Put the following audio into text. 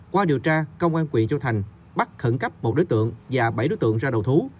qua điều tra công an quỵ châu thành bắt khẩn cấp một đối tượng và bảy đối tượng ra đầu thú